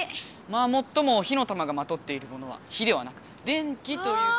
まあもっとも火の玉がまとっているものは火ではなく電気という。